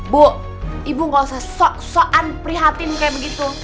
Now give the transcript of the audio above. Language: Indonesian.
bu ibu nggak usah sok sokan prihatin kayak begitu